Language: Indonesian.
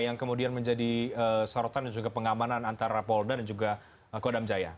yang kemudian menjadi sorotan dan juga pengamanan antara polda dan juga kodam jaya